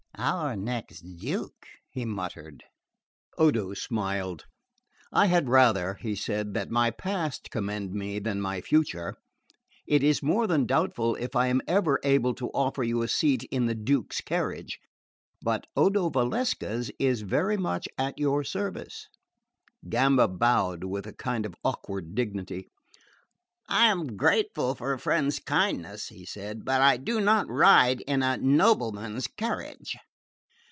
"Our next Duke!" he muttered. Odo smiled. "I had rather," he said, "that my past commended me than my future. It is more than doubtful if I am ever able to offer you a seat in the Duke's carriage; but Odo Valsecca's is very much at your service." Gamba bowed with a kind of awkward dignity. "I am grateful for a friend's kindness," he said, "but I do not ride in a nobleman's carriage."